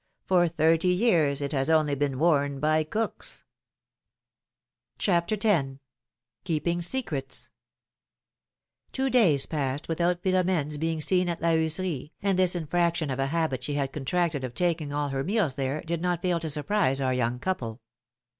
^^For thirty years it has only been worn by cooks ! philomene's makriages. 105 CHAPTER X, KEEPING SECRETS, IWO days passed without Philom^ne's being seen at L La Heuserie, arid this infraction of a habit she had contracted of taking all her meals there, did not fail to surprise our young people.